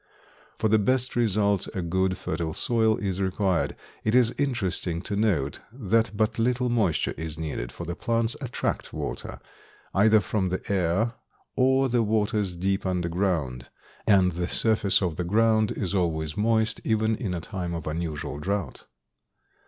For the best results a good, fertile soil is required. It is interesting to note that but little moisture is needed, for the plants attract water, either from the air or the waters deep under ground, and the surface of the ground is always moist even in a time of unusual drought.